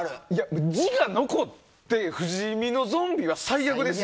自我残って不死身のゾンビは最悪ですよ。